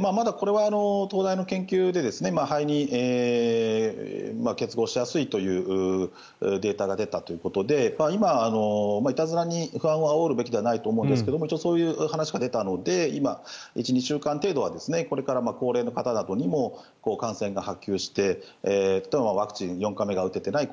まだこれは東大の研究で肺に結合しやすいというデータが出たということで今、いたずらに不安をあおるべきではないと思うんですけども一応、そういう話が出たので１２週間程度はこれから高齢の方などにも感染が波及してワクチン４回目が打ててない